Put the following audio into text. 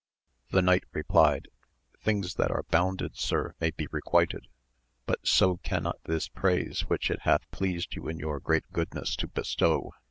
The knight replied, Things that are bounded sir may be requited, but so cannot this praise which it hath pleased you in your great goodness to bestow.